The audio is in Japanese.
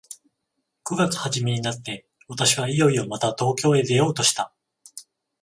九月始めになって、私はいよいよまた東京へ出ようとした。